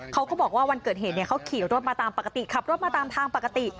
เขาก็บอกว่าวันเกิดเหตุเขาขี่รถมาตามปกติขับรถมาตามทางปกติ